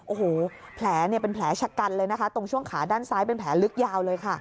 โอ้โหแผลเนี่ยเป็นแผลชะกันเลยนะคะตรงช่วงขาด้านซ้ายเป็นแผลลึกยาวเลยค่ะ